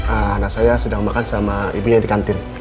anak saya sedang makan sama ibunya di kantin